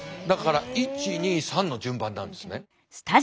だから１２３の順番なんですね。